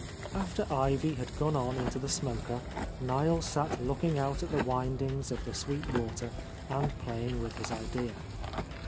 After Ivy had gone on into the smoker, Niel sat looking out at the windings of the Sweet Water and playing with his idea.